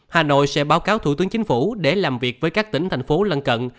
hà nội sẽ báo cáo thủ tướng chính phủ để làm việc với các tỉnh thành phố lân cận